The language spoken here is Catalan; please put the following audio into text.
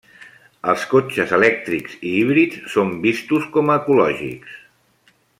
Els cotxes elèctrics i híbrids són vistos com a ecològics.